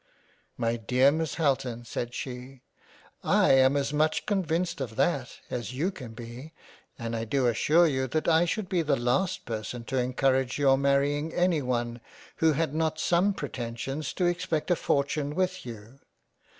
" My dear Miss Halton said she, I am as much convinced of that as you can be, and I do assure you that I should be the last person to encourage your marrying anyone who had not some pretensions to expect a fortune with you.